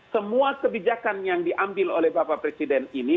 semua kebijakan yang diambil oleh bapak presiden ini